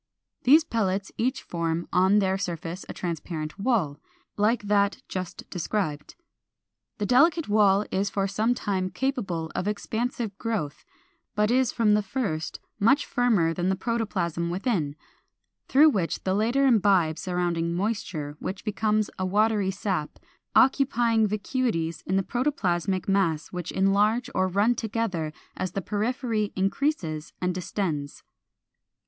These pellets each form on their surface a transparent wall, like that just described. The delicate wall is for some time capable of expansive growth, but is from the first much firmer than the protoplasm within; through it the latter imbibes surrounding moisture, which becomes a watery sap, occupying vacuities in the protoplasmic mass which enlarge or run together as the periphery increases and distends.